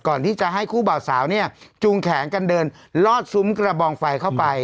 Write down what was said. ก่อนที่จะให้คู่บ่าวสาวเนี่ยจูงแขนกันเดินลอดซุ้มกระบองไฟเข้าไป